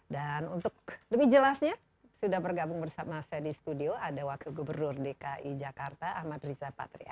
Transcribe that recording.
dan untuk lebih jelasnya sudah bergabung bersama saya di studio ada wakil gubernur dki jakarta ahmad riza patria